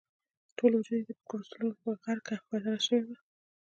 ټول وجود یې په کولسټرولو په غړکه بدل شوی وو.